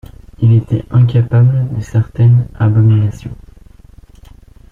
Il était incapable de certaines abominations.